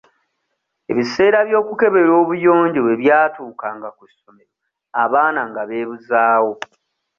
Ebiseera by'okukebera obuyonjo bwe byatuukanga ku ssomero abaana nga beebuzaawo.